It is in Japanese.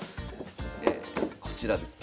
こちらです。